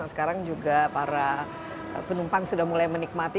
sekarang juga para penumpang sudah mulai menikmati